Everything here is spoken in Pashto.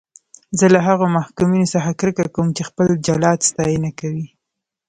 زه له هغو محکومینو څخه کرکه کوم چې خپل جلاد ستاینه کوي.